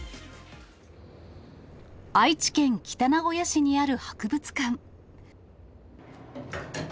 愛知県北名古屋市にある博物館。